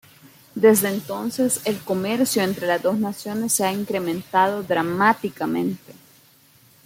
Desde entonces, el comercio entre las dos naciones se ha incrementado dramáticamente.